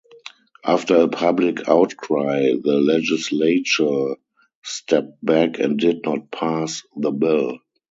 After a public outcry, the legislature stepped back and did not pass the bill.